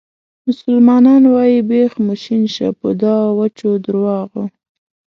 مسلمانان وایي بیخ مو شین شه په دا وچو درواغو.